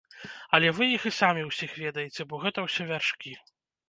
Але вы іх і самі ўсіх ведаеце, бо гэта ўсё вяршкі.